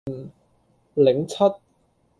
檸七